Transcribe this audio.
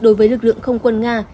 đối với lực lượng không quân nga